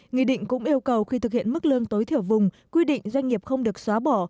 nghị định cũng yêu cầu khi thực hiện mức lương tối thiểu vùng quy định doanh nghiệp không được xóa bỏ